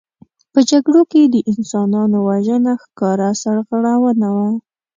په جګړو کې د انسانانو وژنه ښکاره سرغړونه وه.